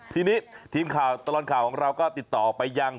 ทีนี้ทีมข่าวตลอดข่าวของเราก็ติดต่อไปยัง